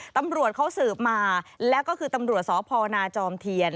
ตำรวจเขาสืบมาแล้วก็คือตำรวจสพนาจอมเทียน